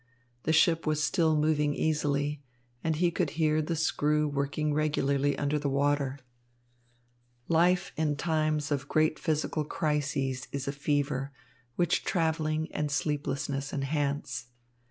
The ship was still moving easily, and he could hear the screw working regularly under the water. Life in times of great physical crises is a fever, which travelling and sleeplessness enhance.